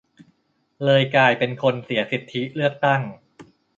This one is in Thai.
เลยกลายเป็นคนเสียสิทธิเลือกตั้ง